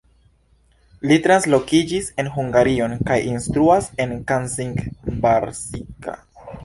Li translokiĝis en Hungarion kaj instruas en Kazincbarcika.